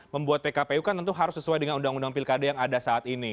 membuat pkpu kan tentu harus sesuai dengan undang undang pilkada yang ada saat ini